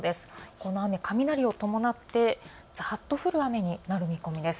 この雨、雷を伴って、ざっと降る雨になる見込みです。